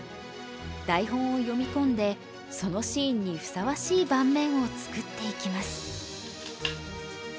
台本を読み込んでそのシーンにふさわしい盤面を作っていきます。